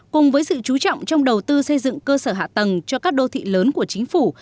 cùng với sự chú trọng trong đầu tư xây dựng cơ sở hạ tầng cho các đô thị lớn của chính phủ